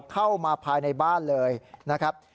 เข้ามาภายในบ้านเลยนะครับ